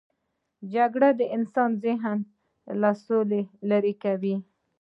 جګړه د انسان ذهن له سولې لیرې کوي